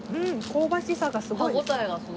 香ばしさがすごいです。